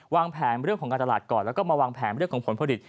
วางแผนเรื่องของการตลาดก่อนแล้วก็มาวางแผนเรื่องของผลผลิต